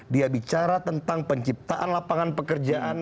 dia bicara tentang penciptaan lapangan pekerjaan